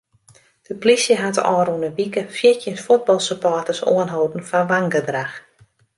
De plysje hat de ôfrûne wike fjirtjin fuotbalsupporters oanholden foar wangedrach.